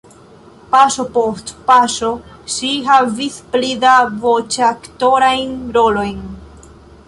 Paŝo post paŝo ŝi havis pli da voĉaktorajn rolojn.